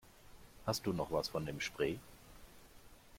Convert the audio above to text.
Hast du noch was von dem Spray?